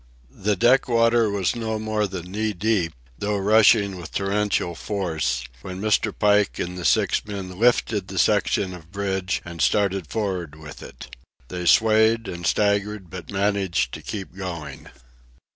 The deck water was no more than knee deep, though rushing with torrential force, when Mr. Pike and the six men lifted the section of bridge and started for'ard with it. They swayed and staggered, but managed to keep going.